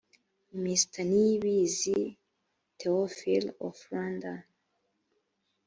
mr niyibizi th ophile of rwandan